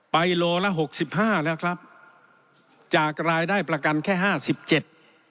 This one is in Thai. โลละหกสิบห้าแล้วครับจากรายได้ประกันแค่ห้าสิบเจ็ด